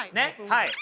はい。